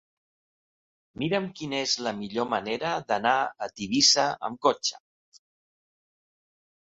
Mira'm quina és la millor manera d'anar a Tivissa amb cotxe.